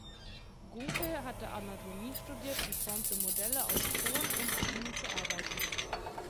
Gunkel hatte Anatomie studiert und formte Modelle aus Ton um an ihnen zu arbeiten.